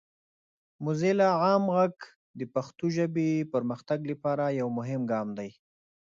موزیلا عام غږ د پښتو ژبې پرمختګ لپاره یو مهم ګام دی.